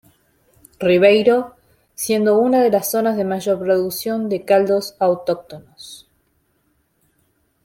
Ribeiro, siendo una de las zonas de mayor producción de caldos autóctonos.